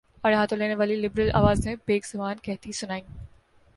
آڑے ہاتھوں لینے والی لبرل آوازیں بیک زبان کہتی سنائی